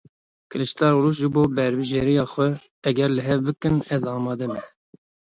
Kiliçdaroglu ji bo berbijêriya xwe, eger li hev bikin ez amade me.